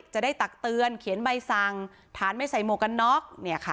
ตักเตือนเขียนใบสั่งฐานไม่ใส่หมวกกันน็อก